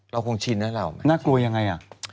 เราคงชินแล้วน่ากลัวยังไงอะ